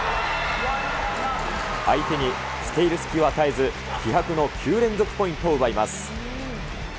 相手につけ入る隙を与えず、気迫の９連続ポイントを奪います。